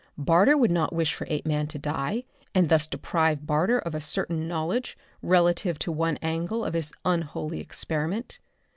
Barter would not wish for Apeman to die, and thus deprive Barter of a certain knowledge relative to one angle of his unholy experiment.